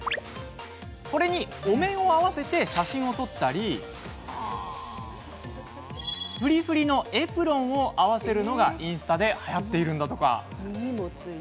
これにお面を合わせて写真を撮ったりフリフリのエプロンを合わせるのが、インスタではやってるんだとか。